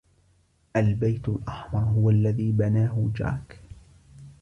البيت الأحمر هو الذي بناه جاك.